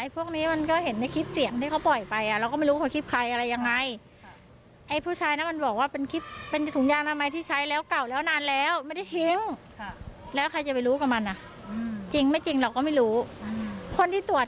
ไปฟังเสียงแม่ของมาย